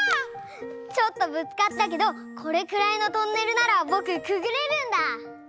ちょっとぶつかったけどこれくらいのトンネルならぼくくぐれるんだ！